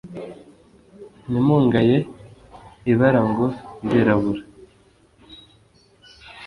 Ntimungaye ibara ngo ndirabura: